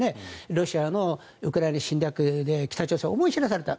ロシアのウクライナの侵略で北朝鮮は思い知らされた。